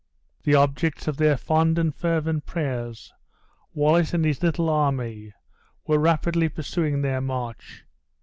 The objects of their fond and fervent prayers, Wallace and his little army, were rapidly pursuing their march.